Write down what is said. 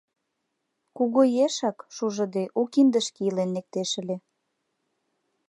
Кугу ешак, шужыде, у киндышке илен лектеш ыле.